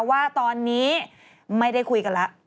ว่าตอนนี้ไม่ได้คุยกันแล้ว